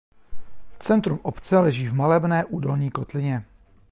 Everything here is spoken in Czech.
Centrum obce leží v malebné údolní kotlině.